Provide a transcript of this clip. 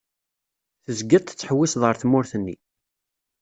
Tezgiḍ tettḥewwiseḍ ar tmurt-nni.